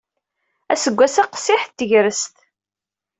Aseggas-a qessiḥet tegrest.